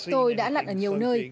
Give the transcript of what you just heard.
tôi đã lặn ở nhiều nơi